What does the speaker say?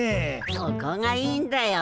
そこがいいんだよ。